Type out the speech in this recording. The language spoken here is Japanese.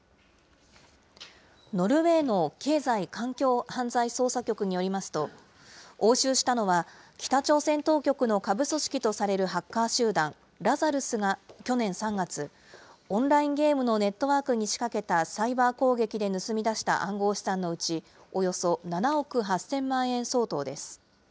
ノルウェーの経済・環境犯罪捜査局によりますと、押収したのは、北朝鮮当局の下部組織とされるハッカー集団ラザルスが去年３月、オンラインゲームのネットワークに仕掛けたサイバー攻撃で盗み出した暗号資産のうち、およそ７億８０００万円相当です。